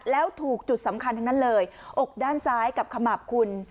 แล้วถูกจุดสำคัญทั้งนั้นเลยอกด้านซ้ายกับขมับคุณ